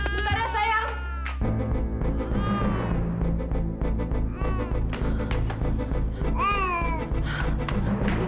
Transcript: bentar ya sayang